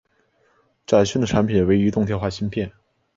展讯的产品为移动电话芯片。